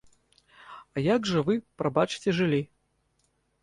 А як жа вы, прабачце, жылі?